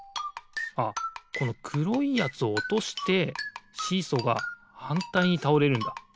あっこのくろいやつをおとしてシーソーがはんたいにたおれるんだ。